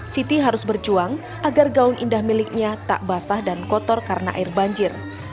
siti harus berjuang agar gaun indah miliknya tak basah dan kotor karena air banjir